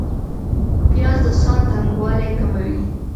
پیاز د ساه تنګوالی کموي